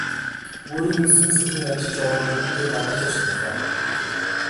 Өөрийг нь сэм сэмхэн ажиж явааг минь тэр гадарлаж байлаа.